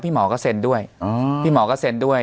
หมอก็เซ็นด้วยพี่หมอก็เซ็นด้วย